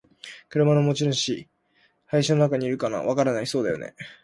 「車の持ち主。林の中にいるかな？」「わからない。」「そうだよね。」